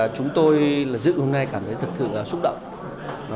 chúng tôi dự hôm nay cảm thấy rất súc động